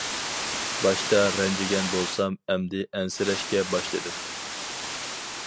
باشتا رەنجىگەن بولسام ئەمدى ئەنسىرەشكە باشلىدىم.